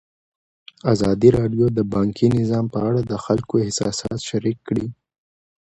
ازادي راډیو د بانکي نظام په اړه د خلکو احساسات شریک کړي.